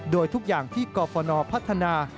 โดยทุกอย่างที่กรฟนพัฒนา